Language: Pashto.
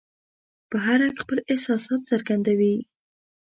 په هر رنګ خپل احساسات څرګندوي.